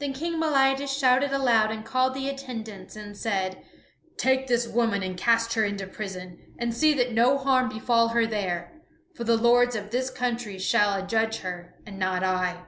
Then King Meliadus shouted aloud and called the attendants and said: "Take this woman and cast her into prison, and see that no harm befall her there; for the lords of this country shall adjudge her, and not I."